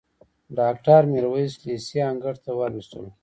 ډاکټر میرویس لېسې انګړ ته وروستلو.